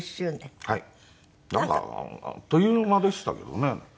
なんかあっという間でしたけどね。